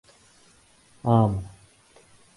عام